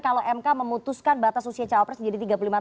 kalau mk memutuskan batas usia cawapres menjadi tiga puluh lima tahun